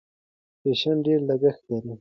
فیشن ډېر لګښت لري.